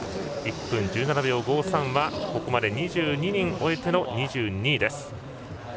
１分１７秒５３は２２人終えての２２位です。